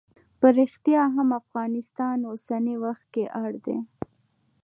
په ریښتیا هم افغانستان اوسنی وخت کې اړ دی.